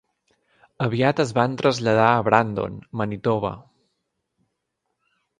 Aviat es van traslladar a Brandon, Manitoba.